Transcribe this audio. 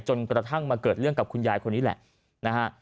จนกระทั่งมาเกิดเรื่องกับคุณยายคนนี้แหละนะฮะ